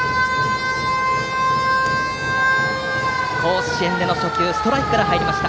甲子園での初球ストライクから入りました。